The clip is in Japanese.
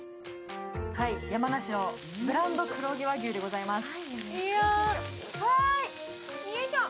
山梨のブランド黒毛和牛でございます。